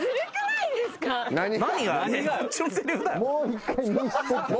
もう一回見せて。